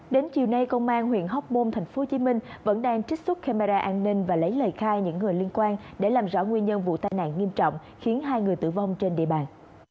đến chiều nay công an huyện hóc môn tp hcm vẫn đang trích xuất camera an ninh và lấy lời khai những người liên quan để làm rõ nguyên nhân vụ tai nạn nghiêm trọng khiến hai người tử vong trên địa bàn